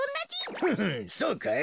フフンそうかい？